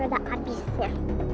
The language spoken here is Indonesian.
gak ada abisnya